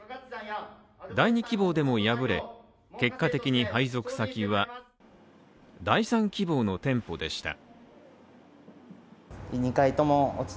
第２希望でも敗れ結果的に配属先は第３希望の店舗でした。